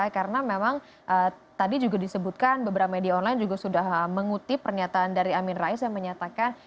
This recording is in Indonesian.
karena memang tadi juga disebutkan beberapa media online juga sudah mengutip pernyataan dari amir rais yang menyatakan